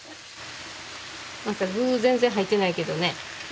具全然入ってないけどねいい？